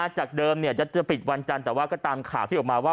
จากเดิมจะปิดวันจันทร์แต่ว่าก็ตามข่าวที่ออกมาว่า